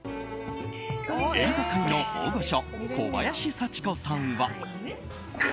演歌界の大御所小林幸子さんは。